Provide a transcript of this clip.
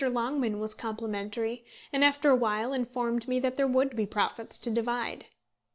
Longman was complimentary, and after a while informed me that there would be profits to divide.